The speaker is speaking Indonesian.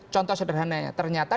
contoh sederhananya ternyata